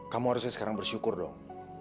kamu harusnya sekarang bersyukur dong